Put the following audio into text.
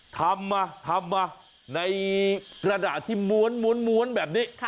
ทำมาทำมาในกระดาษที่ม้วนแบบนี้